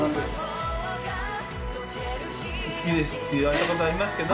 好きですって言われた事はありますけど。